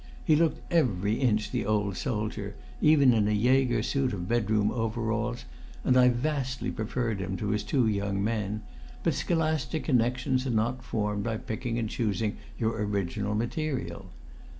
He looked every inch the old soldier, even in a Jaeger suit of bedroom overalls, and I vastly preferred him to his two young men; but scholastic connections are not formed by picking and choosing your original material.